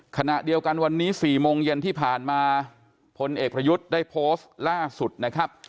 ขณะเดียวกันวันนี้๔โมงเย็นที่ผ่านมาพลเอกประยุทธ์ได้โพสต์ล่าสุดนะครับ